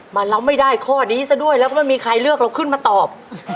มันรับไม่ได้ข้อนี้ซะด้วยแล้วก็ไม่มีใครเลือกเราขึ้นมาตอบ